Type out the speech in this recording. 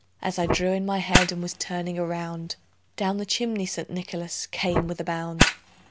As I drew in my head, and was turning around, Down the chimney St. Nicholas came with a bound.